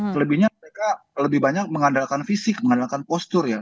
selebihnya mereka lebih banyak mengandalkan fisik mengandalkan postur ya